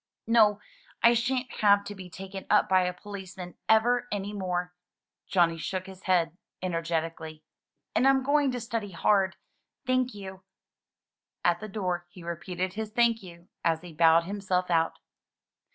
*'No. I shan't have to be taken up by a policeman ever any more." Johnny shook his head energetically. "And Fm going to study hard. Thank you." At the door he repeated his * 'thank you" as he bowed himself out.